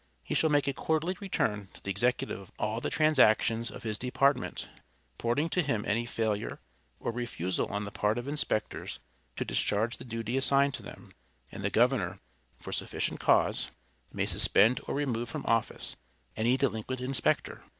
He shall make a quarterly return to the executive of all the transactions of his department, reporting to him any failure or refusal on the part of inspectors to discharge the duty assigned to them, and the Governor, for sufficient cause, may suspend or remove from office any delinquent inspector.